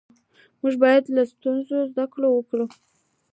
موږ باید له ستونزو زده کړه وکړو